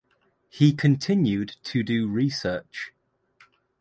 He continued to do research.